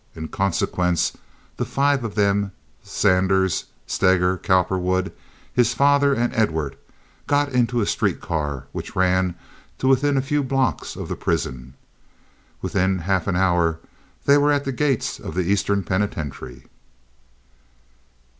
In consequence the five of them—Zanders, Steger, Cowperwood, his father, and Edward—got into a street car which ran to within a few blocks of the prison. Within half an hour they were at the gates of the Eastern Penitentiary.